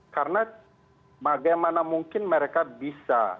karena bagaimana mungkin mereka bisa